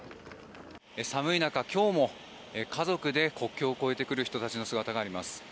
寒い中、今日も家族で国境を越えてくる人たちの姿があります。